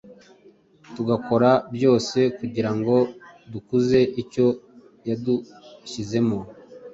tugakora byose kugira ngo dukuze icyo yadushyizemo.